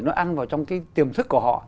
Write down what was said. nó ăn vào trong cái tiềm thức của họ